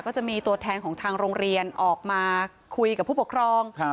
ก็จะมีตัวแทนของทางโรงเรียนออกมาคุยกับผู้ปกครอง